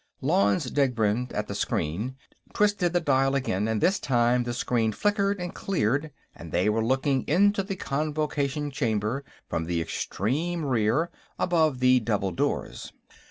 Lanze Degbrend, at the screen, twisted the dial again, and this time the screen flickered and cleared, and they were looking into the Convocation Chamber from the extreme rear, above the double doors.